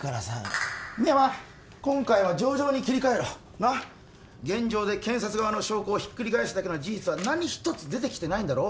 深山今回は情状に切り替えろ現状で検察側の証拠をひっくり返すだけの事実は何一つ出てきてないんだろ？